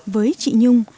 với chị nhung